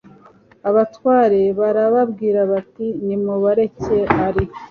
abatware barababwira bati nimubareke ari